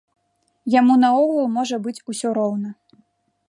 Яму наогул можа быць усё роўна.